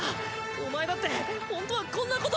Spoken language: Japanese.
お前だってホントはこんなこと。